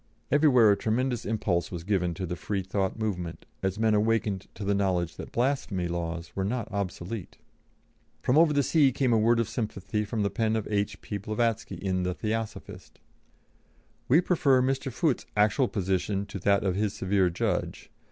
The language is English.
Everywhere a tremendous impulse was given to the Freethought movement, as men awakened to the knowledge that blasphemy laws were not obsolete. From over the sea came a word of sympathy from the pen of H.P. Blavatsky in the Theosophist. "We prefer Mr. Foote's actual position to that of his severe judge.